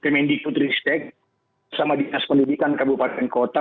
mendykbud respect sama dinas pendidikan kabupaten kota